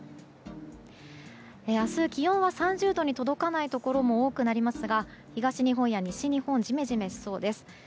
明日、気温は３０度に届かないところも多くなりますが東日本や西日本でじめじめしそうです。